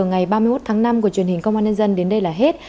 ngày ba mươi một tháng năm của truyền hình công an nhân dân đến đây là hết